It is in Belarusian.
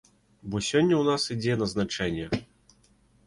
Бо сёння ў нас ідзе назначэнне.